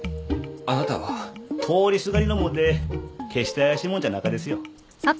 通りすがりのもんで決して怪しいもんじゃなかですよ。